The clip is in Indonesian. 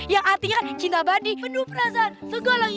yang artinya kan cinta badi penuh perasaan segalanya